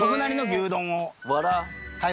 はい。